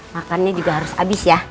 makannya juga harus habis ya